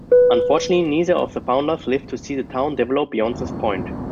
Unfortunately, neither of the founders lived to see the town develop beyond this point.